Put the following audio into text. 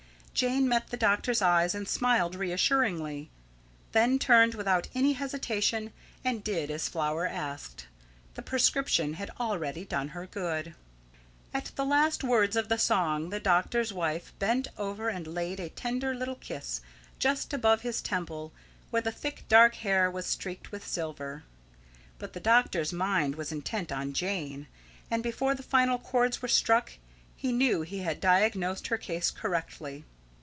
Jane met the doctor's eyes and smiled reassuringly; then turned without any hesitation and did as Flower asked. The prescription had already done her good. At the last words of the song the doctor's wife bent over and laid a tender little kiss just above his temple, where the thick dark hair was streaked with silver. But the doctor's mind was intent on Jane, and before the final chords were struck he knew he had diagnosed her case correctly.